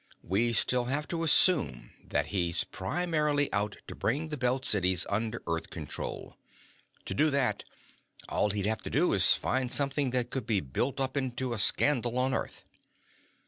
We still have to assume that he's primarily out to bring the Belt Cities under Earth control. To do that, all he'd have to do is find something that could be built up into a scandal on Earth."